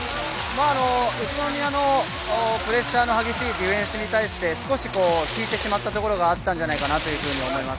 宇都宮のプレッシャーが激しいディフェンスに対して、少し引いてしまったところがあったんじゃないかなと思います。